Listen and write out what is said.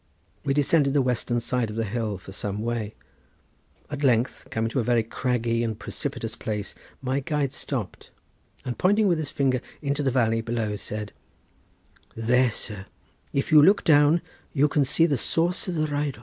We descended the western side of the hill for some way; at length, coming to a very craggy and precipitous place my guide stopped, and pointing with his finger into the valley below, said: "There, sir, if you look down you can see the source of the Rheidol."